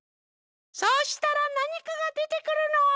そうしたらなにかがでてくるの。